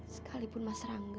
sekalipun mas rangga